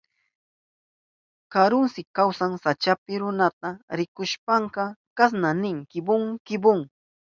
Karuntsi kawsan sachapi. Runata rikushpanka kasna nin: kibon kibon.